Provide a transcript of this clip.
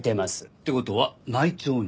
っていう事は内調に？